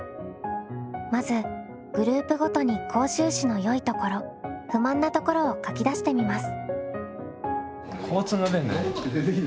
まずグループごとに甲州市のよいところ不満なところを書き出してみます。